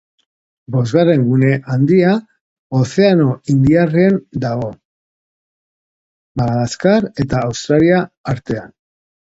Bosgarren gune handia Ozeano Indiarrean dago, Madagaskar eta Australia artean.